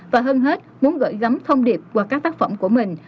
và hơn hết muốn gửi gắm thông điệp qua các tác phẩm của mình